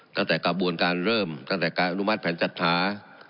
ตั้งแต่กระบวนการเริ่มตั้งแต่การอนุมัติแผนจัดหา